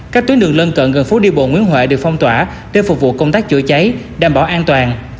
các tuyến đường lân cận gần phố đi bộ nguyễn huệ được phong tỏa để phục vụ công tác chữa cháy đảm bảo an toàn